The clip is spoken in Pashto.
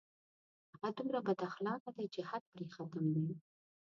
هغه دومره بد اخلاقه دی چې حد پرې ختم دی